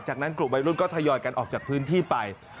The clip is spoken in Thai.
จากนั้นกลุ่มวัยรุ่นก็ทยอยกันออกจากพื้นที่ไป